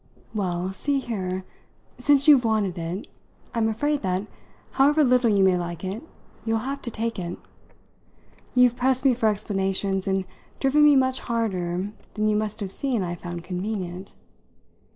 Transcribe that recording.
"Well, see here: since you've wanted it, I'm afraid that, however little you may like it, you'll have to take it. You've pressed me for explanations and driven me much harder than you must have seen I found convenient.